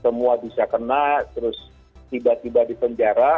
semua bisa kena terus tiba tiba dipenjara